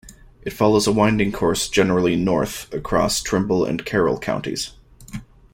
It follows a winding course generally north across Trimble and Carroll counties.